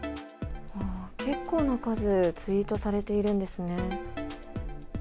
結構な数ツイートされているんですね。